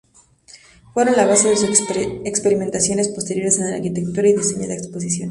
Fueron la base de sus experimentaciones posteriores en arquitectura y diseño de exposiciones.